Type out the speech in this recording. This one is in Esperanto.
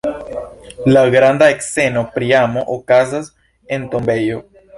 La granda sceno pri amo, okazas en tombejo!